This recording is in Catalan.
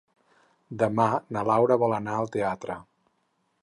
Demà na Laura vol anar al teatre.